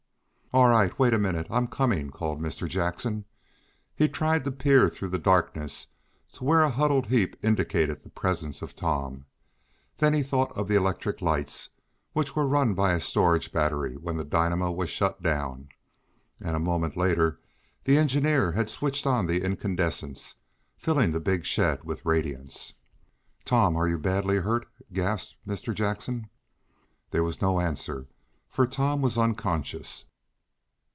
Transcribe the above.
"All right! Wait a minute! I'm coming!" called Mr. Jackson. He tried to peer through the darkness, to where a huddled heap indicated the presence of Tom. Then he thought of the electric lights, which were run by a storage battery when the dynamo was shut down, and a moment later the engineer had switched on the incandescents, filling the big shed with radiance. "Tom, are you badly hurt?" gasped Mr. Jackson. There was no answer, for Tom was unconscious.